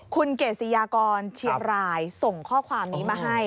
คุณเกษียากรเชียงรายส่งข้อความนี้มาให้